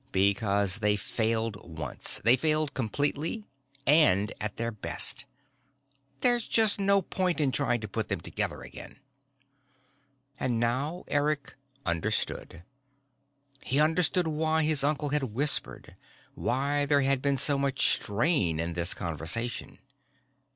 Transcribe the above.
Because they failed once. They failed completely and at their best. There's just no point in trying to put them together again." And now Eric understood. He understood why his uncle had whispered, why there had been so much strain in this conversation.